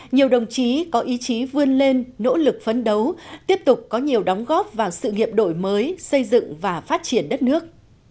nhiều đồng chí có ý chí vươn lên nỗ lực phấn đấu tiếp tục có nhiều đóng góp vào sự nghiệp đổi mới xây dựng và phát triển đất nước